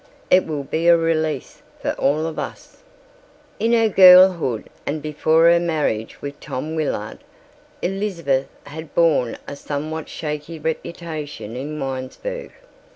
It will be a release for all of us." In her girlhood and before her marriage with Tom Willard, Elizabeth had borne a somewhat shaky reputation in Winesburg.